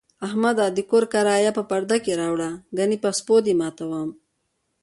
احمده! د کور کرایه په پرده کې راوړه، گني په سپو دې ماتوم.